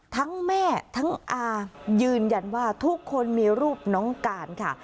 ทั้งแม่ทั้งอายืนยันว่าทุกคนมีรูปน้องการค่ะ